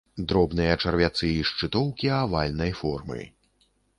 Дробныя чарвяцы і шчытоўкі авальнай формы.